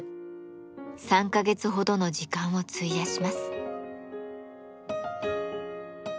３か月ほどの時間を費やします。